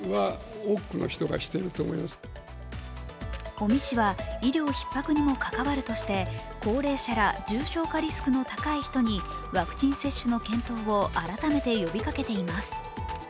尾身氏は医療ひっ迫にも関わるとして高齢者ら重症化リスクの高い人にワクチン接種の検討を改めて呼びかけています。